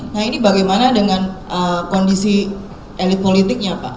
nah ini bagaimana dengan kondisi elit politiknya pak